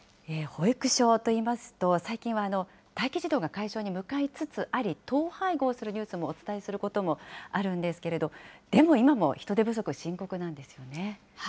保育所といいますと、最近は待機児童が解消に向かいつつあり、統廃合するニュースもお伝えすることもあるんですけれど、でも今も人手不足、深刻なんです